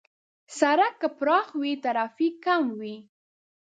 سړک که پراخ وي، ترافیک کم وي.